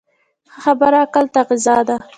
ښه خبره عقل ته غذا ده.